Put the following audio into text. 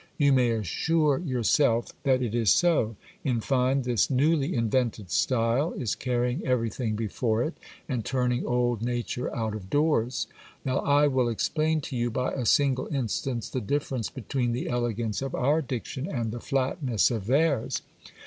You may assure yourself that it is so; in fine, this newly invented style is carrying everything before it, and turning old nature out of doors. Now I will explain to you by a single instance the differ ence between the elegance of our diction and the flatness of theirs.